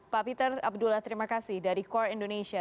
pak peter abdullah terima kasih dari core indonesia